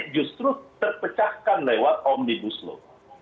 justru terpecahkan lewat omnibus law